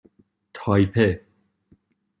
تایپه